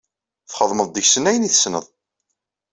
Txedmeḍ deg-sen ayen i tessneḍ.